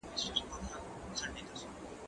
زه مخکي سبا ته فکر کړی و؟!